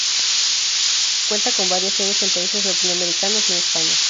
Cuenta con varias sedes en países latinoamericanos y en España.